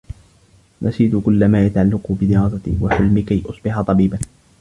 نسيت كلّ ما يتعلّق بدراستي و حلمي كي أصبح طبيبا.